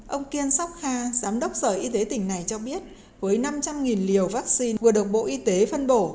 ông kiên sukha giám đốc sở y tế tỉnh này cho biết với năm trăm linh liều vaccine vừa được bộ y tế phân bổ